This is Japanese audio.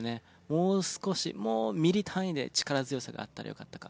もう少しもうミリ単位で力強さがあったらよかったか。